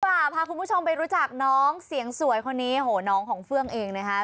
พาคุณผู้ชมไปรู้จักน้องเสียงสวยคนนี้โหน้องของเฟื่องเองนะคะ